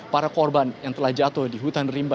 para korban yang telah jatuh di hutan rimba